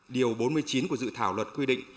điều bốn mươi chín của dự thảo luật quy định